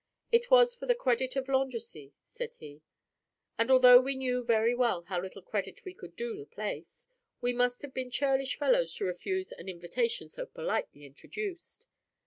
It was for the credit of Landrecies, said he; and although we knew very well how little credit we could do the place, we must have been churlish fellows to refuse an invitation so politely introduced.